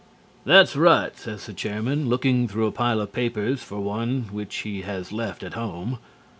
"That's right," says the Chairman, looking through a pile of papers for one which he has left at home.